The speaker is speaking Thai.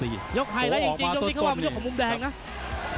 ยกไฮไลท์จริงยกนี้เข้ามายกของมุมแดงนะ